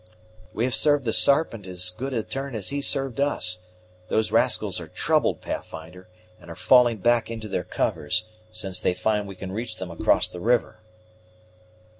"We have served the Sarpent as good a turn as he served us. Those rascals are troubled, Pathfinder, and are falling back into their covers, since they find we can reach them across the river."